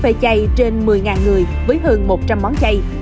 phơi chay trên một mươi người với hơn một trăm linh món chay